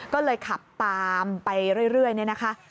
ก็เลยขับตามไปเรื่อยเนี่ยนะคะ